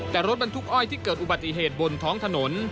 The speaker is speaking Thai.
แต่รถบรรทุกอ้อยที่เกิดอุบัติเหตุบนท้องถนน